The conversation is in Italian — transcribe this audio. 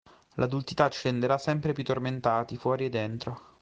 L'adultità ci renderà sempre più tormentati, fuori e dentro.